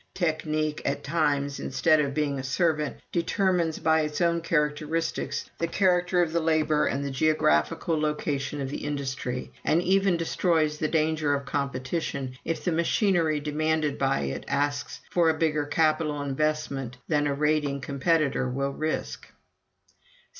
Technique, at times, instead of being a servant, determines by its own characteristics the character of the labor and the geographical location of the industry, and even destroys the danger of competition, if the machinery demanded by it asks for a bigger capital investment than a raiding competitor will risk.